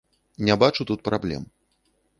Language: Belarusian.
Не бачу тут праблем.